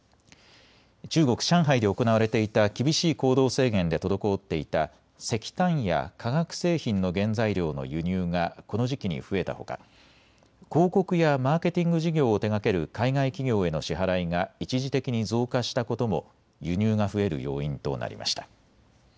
中国・上海で行われていた厳しい行動制限で滞っていた石炭や化学製品の原材料の輸入がこの時期に増えたほか、広告やマーケティング事業を手がける海外企業への支払いが一時的に増加したことも輸入が増える要因となりました。